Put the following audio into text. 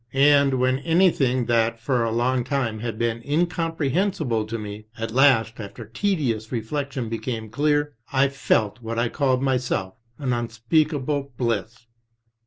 And when anything that for a long time had been incomprehensible to me, at last after tenacious re flection became clear, I felt what I myself called '* an un speakable bliss."